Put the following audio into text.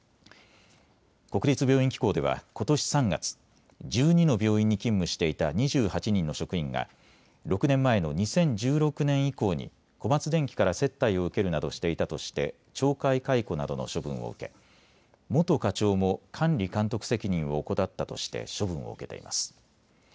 国立病院機構ではことし３月、１２の病院に勤務してしていた２８人の職員が６年前の２０１６年以降に小松電器から接待を受けるなどしていたとして懲戒解雇などの処分を受け元課長も管理監督責任を怠ったとして処分を受けています。